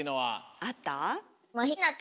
あった？